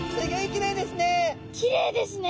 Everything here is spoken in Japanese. きれいですね。